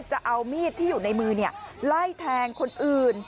จะเอามีดที่อยู่ในมือไล่แทงคนอื่น